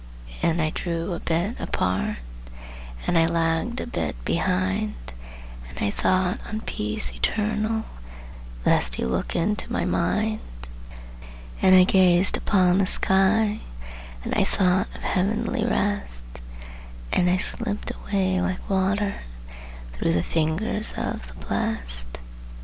And I drew a bit apart, And I lagged a bit behind, And I thought on Peace Eternal, Lest He look into my mind: And I gazed upon the sky, And I thought of Heavenly Rest, And I slipped away like water Through the fingers of the blest!